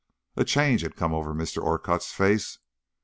A change had come over Mr. Orcutt's face.